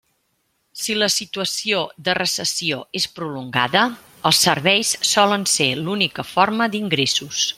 Si la situació de recessió és prolongada, els serveis solen ser l'única forma d'ingressos.